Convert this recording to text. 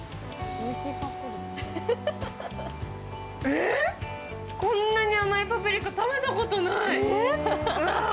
えっ、こんなに甘いパプリカ食べたことない。